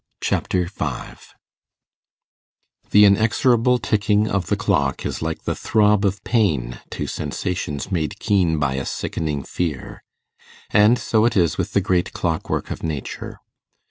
Chapter 5 The inexorable ticking of the clock is like the throb of pain to sensations made keen by a sickening fear. And so it is with the great clockwork of nature.